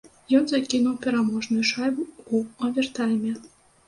Ён закінуў пераможную шайбу ў овертайме.